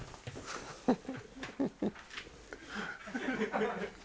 フフフフ！